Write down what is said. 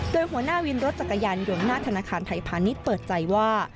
โดยหัวหน้าวินรถจักรยานยนต์หน้าธนาคารไทยพาณิชย์เปิดใจว่า